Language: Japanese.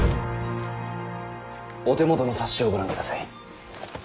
お手元の冊子をご覧ください。